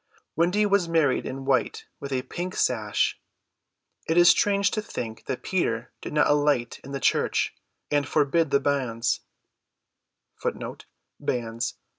Wendy was married in white with a pink sash. It is strange to think that Peter did not alight in the church and forbid the banns.